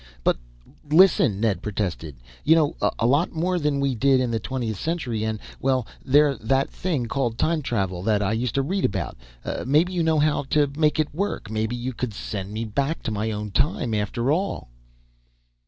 "But listen!" Ned protested. "You know a lot more than we did in the Twentieth Century. And well there's that thing called time travel, that I used to read about. Maybe you know how to make it work! Maybe you could send me back to my own time after all!"